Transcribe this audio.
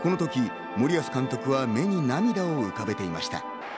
このとき森保監督は目に涙を浮かべていました。